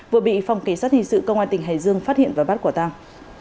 vừa bị phòng kế sát hình sự công an tỉnh hải dương phát hiện và bắt quả tăng